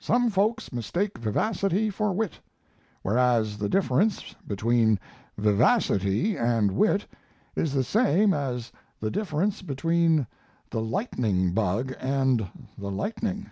"Some folks mistake vivacity for wit; whereas the difference between vivacity and wit is the same as the difference between the lightning bug and the lightning."